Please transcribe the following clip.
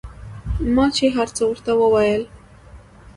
ما چې هرڅه ورته وويل.